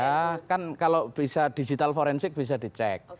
ya kan kalau bisa digital forensik bisa dicek